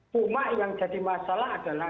cuma yang jadi masalah adalah